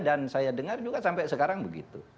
dan saya dengar juga sampai sekarang begitu